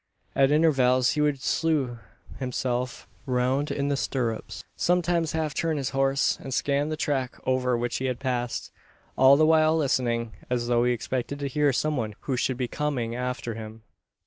At intervals he would slue himself round in the stirrups sometimes half turn his horse and scan the track over which he had passed; all the while listening, as though he expected to hear some one who should be coming after him.